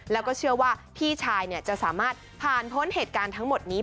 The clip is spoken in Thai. แล้วก็เชื่อว่าพี่ชายจะสามารถผ่านพ้นเหตุการณ์ทั้งหมดนี้